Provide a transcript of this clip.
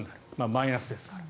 マイナスですから。